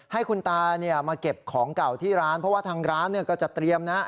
ให้คุณตามาเก็บของเก่าที่ร้านเพราะว่าทางร้านก็จะเตรียมนะ